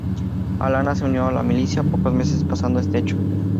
Alana se unió a la milicia pocos meses pasado este hecho.